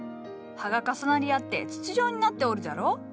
葉が重なりあって筒状になっておるじゃろ。